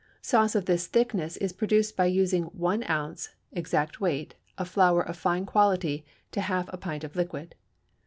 Sauce of this thickness is produced by using one ounce (exact weight) of flour of fine quality to half a pint of liquid.